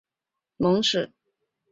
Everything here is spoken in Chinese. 高宗在内殿大宴蒙使。